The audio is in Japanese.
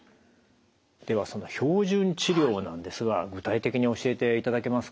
ではその標準治療なんですが具体的に教えていただけますか？